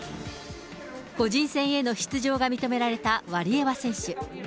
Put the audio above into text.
個人戦への出場が認められたワリエワ選手。